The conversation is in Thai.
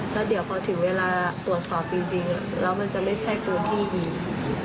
แล้วเดี๋ยวพอถึงเวลาตรวจสอบจริงแล้วมันจะไม่ใช่ตัวพี่อีก